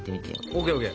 ＯＫＯＫ。